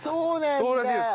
そうらしいです。